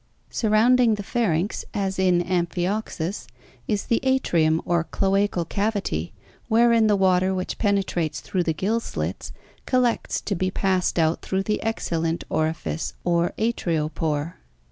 Surrounding the pharynx, as in Amphioxus, is the atrium or cloacal cavity wherein the water which penetrates through the gill slits collects to be passed out through the cxhalent orifice or atriopore.